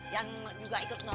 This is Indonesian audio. yang juga ikut nomor